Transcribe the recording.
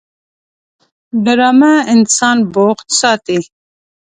ډرامه انسان بوخت ساتي